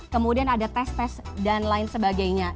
kemudian ada tes tes dan lain sebagainya